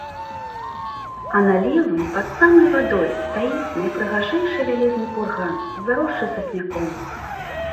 А на левым, пад самай вадой стаіць найпрыгажэйшы вялізны курган, заросшы сасняком.